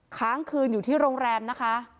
ค้างคืนอยู่ที่โรงแรมนะคะ